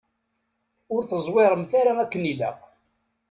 Ur teẓwiremt ara akken ilaq.